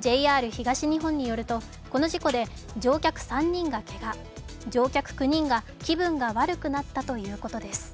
ＪＲ東日本によると、この事故で乗客３人がけが、乗客９人が気分が悪くなったということです。